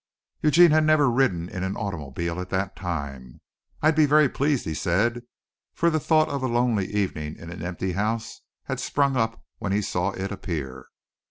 Eugene had never ridden in an automobile at that time. "I'd be very pleased," he said, for the thought of a lonely evening in an empty house had sprung up when he saw it appear.